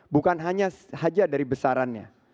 bukan hanya saja dari besarannya